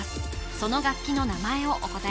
その楽器の名前をお答え